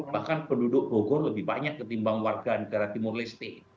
bahkan penduduk bogor lebih banyak ketimbang warga negara timur leste